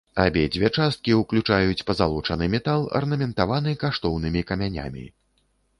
Абедзве часткі ўключаюць пазалочаны метал, арнаментаваны каштоўнымі камянямі.